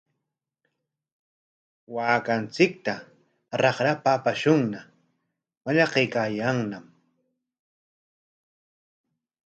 Waakanchikta raqrapa apashunña, mallaqnaykaayanñatri.